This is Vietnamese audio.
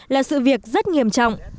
là sự việc rất nghiêm trọng